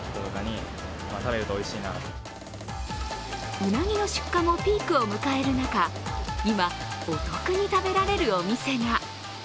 うなぎの出荷もピークを迎える中、今、お得に食べられるお店が。